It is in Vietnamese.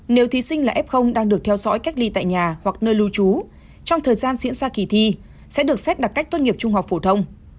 nếu thí sinh là f đang được theo dõi cách ly tại nhà hoặc nơi lưu trú trong thời gian diễn ra kỳ thi sẽ được xét đặc cách tốt nghiệp trung học phổ thông